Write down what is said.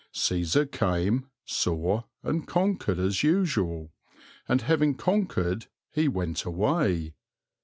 Cæsar came, saw, and conquered as usual; and having conquered he went away.